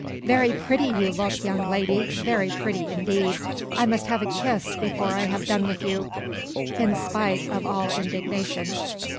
"Very pretty you look, young lady, very pretty indeed. I must have a kiss before I have done with you, in spite of all indignation.